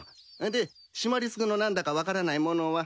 でシマリス君の何だか分からないものは？